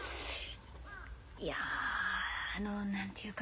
いやあの何ていうか